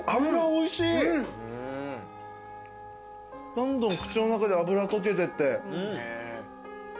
どんどん口の中で脂溶けてって。